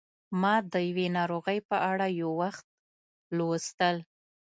ما د یوې ناروغۍ په اړه یو وخت لوستل